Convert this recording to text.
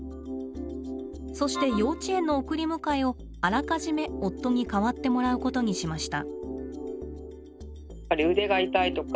そして幼稚園の送り迎えをあらかじめ夫に代わってもらうことにしました。